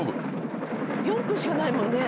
４分しかないもんね。